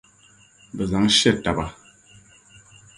Bɛ zaŋ she taba.